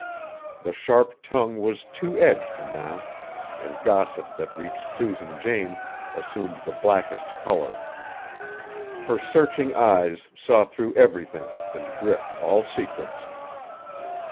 The sharp tongue was two edged now, and gossip that reached Susan Jane assumed the blackest color. Her searching eyes saw through everything, and gripped all secrets.